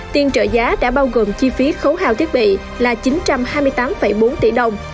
tiền trợ giá đã bao gồm chi phí khấu hào thiết bị là chín trăm hai mươi tám bốn tỷ đồng